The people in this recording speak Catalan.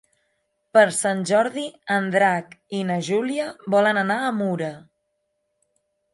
Per Sant Jordi en Drac i na Júlia volen anar a Mura.